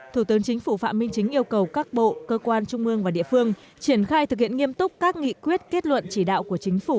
thủ tướng chính phủ phạm minh chính yêu cầu các bộ cơ quan trung ương và địa phương triển khai thực hiện nghiêm túc các nghị quyết kết luận chỉ đạo của chính phủ